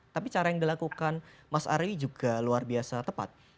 tapi cara yang dilakukan mas ari juga luar biasa tepat